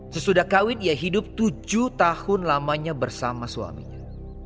sesudah kawin ia hidup tujuh tahun lamanya bersama suaminya